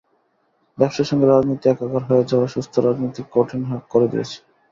ব্যবসার সঙ্গে রাজনীতি একাকার হয়ে যাওয়া সুস্থ রাজনীতি কঠিন করে দিয়েছে।